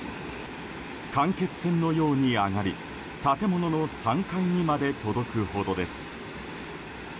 間欠泉のように上がり建物の３階にまで届くほどです。